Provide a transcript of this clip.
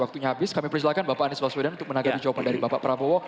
waktunya habis kami persilahkan bapak anies baswedan untuk menanggapi jawaban dari bapak prabowo